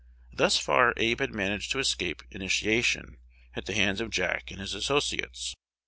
Thus far Abe had managed to escape "initiation" at the hands of Jack and his associates.